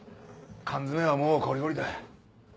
缶詰はもうこりごりだ。